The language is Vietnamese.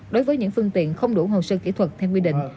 đối với những phương tiện không đủ hồ sơ kỹ thuật theo quy định